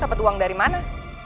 tidak ada uang dari mana